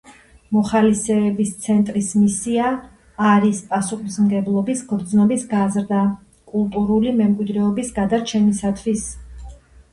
მოხალისეების ცენტრის მისია არის პასუხისმგებლობის გრძნობის გაზრდა კულტურული მემკვიდრეობის გადარჩენისათვის.